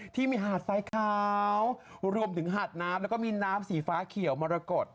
ที่มีอาดซ้ายขาวรวมถึงอาดน้ำแล้วก็มีอาดสีฟ้าเขียวมารกฎ